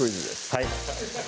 はい